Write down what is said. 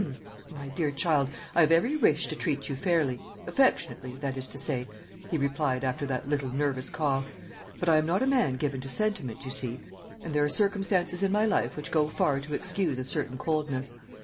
"My dear child, I have every wish to treat you fairly affectionately, that is to say," he replied, after that little nervous cough; "but I am not a man given to sentiment, you see, and there are circumstances in my life which go far to excuse a certain coldness.